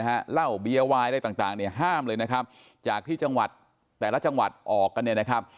เหล้าเบียวายอะไรต่างห้ามเลยจากที่แต่ละจังหวัดออกกัน